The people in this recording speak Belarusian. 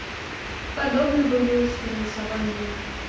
Падобна было і з фінансаваннем.